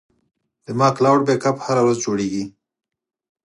زما کلاوډ بیک اپ هره ورځ جوړېږي.